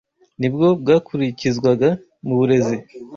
ni bwo bwakurikizwaga mu burezi